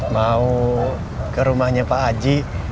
mau ke rumahnya pak aji